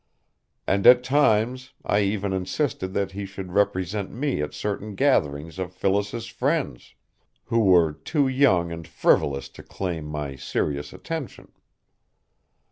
And at times I even insisted that he should represent me at certain gatherings of Phyllis's friends, who were too young and frivolous to claim my serious attention.